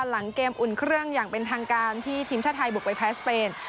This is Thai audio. หลังเกมอุ่นเครื่องอย่างเป็นทางการที่ทีมชาติไทยบุกไปแพ้สเปน